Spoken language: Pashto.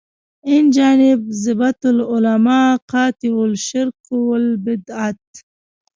اینجانب زبدة العلما قاطع شرک و البدعت.